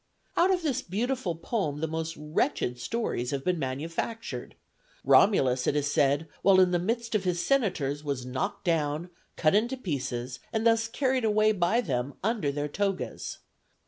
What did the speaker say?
Out of this beautiful poem the most wretched stories have been manufactured: Romulus, it is said, while in the midst of his senators was knocked down, cut into pieces, and thus carried away by them under their togas.